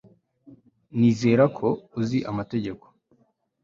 Nizera ko uzi amategeko